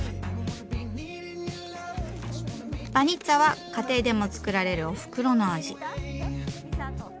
バニッツァは家庭でも作られるおふくろの味。